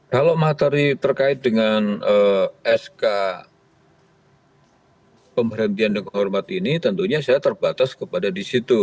kalau materi terkait dengan sk pemberhentian dengan kehormat ini tentunya saya terbatas kepada di situ